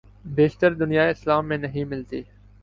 بیشتر دنیائے اسلام میں نہیں ملتی۔